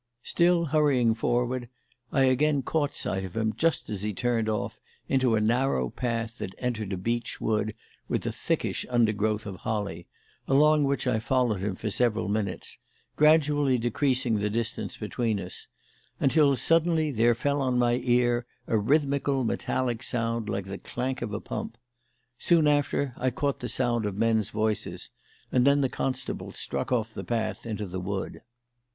Still hurrying forward, I again caught sight of him just as he turned off into a narrow path that entered a beech wood with a thickish undergrowth of holly, along which I followed him for several minutes, gradually decreasing the distance between us, until suddenly there fell on my ear a rhythmical, metallic sound like the clank of a pump. Soon after I caught the sound of men's voices, and then the constable struck off the path into the wood.